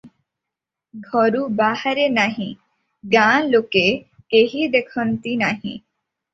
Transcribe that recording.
ଘରୁ ବାହାରେ ନାହିଁ, ଗାଁ ଲୋକେ କେହି ଦେଖନ୍ତିନାହିଁ ।